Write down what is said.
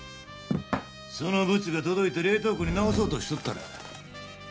そのブツが届いて冷凍庫に直そうとしとったら。